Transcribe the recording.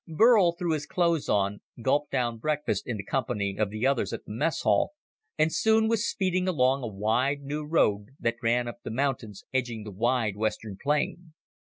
Burl threw his clothes on, gulped down breakfast in the company of the others at the messhall, and soon was speeding along a wide, new road that ran up to the mountains edging the wide western plain.